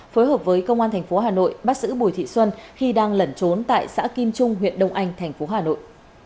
phối hợp với công an thành phố hà nội bắt giữ bùi thị xuân khi đang lẩn trốn tại xã kim trung huyện đông anh thành phố hà nội